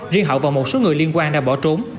riêng hậu và một số người liên quan đã bỏ trốn